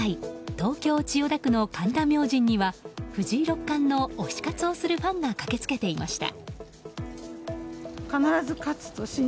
東京・千代田区の神田明神には藤井六冠の推し活をするファンが駆けつけていました。